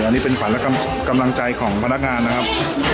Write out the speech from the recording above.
อันนี้เป็นขวัญและกำลังใจของพนักงานนะครับ